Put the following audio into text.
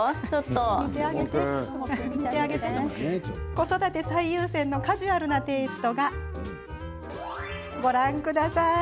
子育て最優先のカジュアルなテーストがご覧ください。